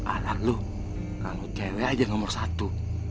alang lo kamu cewek aja nomor satu